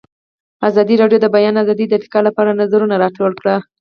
ازادي راډیو د د بیان آزادي د ارتقا لپاره نظرونه راټول کړي.